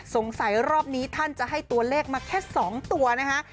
รอบนี้ท่านจะให้ตัวเลขมาแค่๒ตัวนะคะ